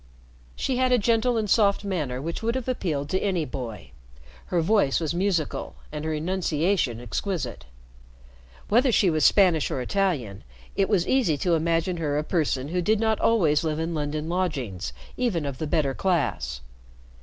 She had a gentle and soft manner which would have appealed to any boy. Her voice was musical and her enunciation exquisite. Whether she was Spanish or Italian, it was easy to imagine her a person who did not always live in London lodgings, even of the better class.